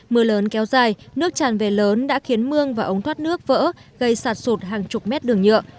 mưa lớn kéo dài nước tràn về lớn đã khiến mương và ống thoát nước vỡ gây sạt sụt hàng chục mét đường nhựa